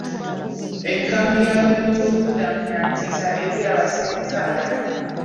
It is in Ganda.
Enkambi y'abanoonyiboobubudamu ya ntiisa eri abasenze abalala.